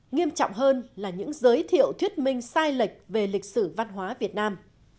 nghiêm trọng hơn là những giới thiệu thuyết minh sai lệch về lịch sử văn hóa việt nam